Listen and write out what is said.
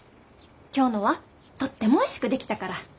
今日のはとってもおいしく出来たから。